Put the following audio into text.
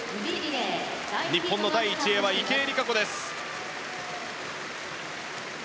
日本の第１泳は池江璃花子です。